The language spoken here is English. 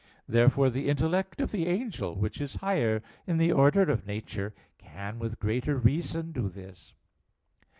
Therefore the intellect of the angel, which is higher in the order of nature, can with greater reason do this.